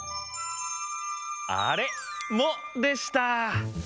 あれもでした！